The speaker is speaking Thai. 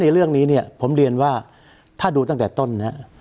เรื่องนี้เนี่ยผมเรียนว่าถ้าดูตั้งแต่ต้นเนี่ย